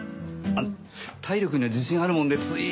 あの体力には自信あるものでつい。